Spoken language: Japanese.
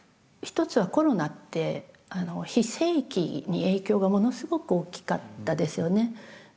一つはコロナって非正規に影響がものすごく大きかったですよね。